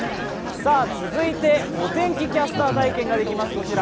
続いて、お天気キャスター体験ができます。